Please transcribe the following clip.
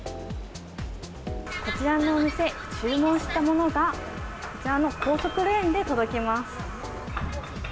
こちらのお店、注文したものがこちらの高速レーンで届きます。